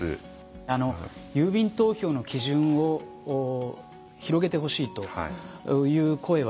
あの郵便投票の基準を広げてほしいという声はですね